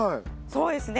そうですね。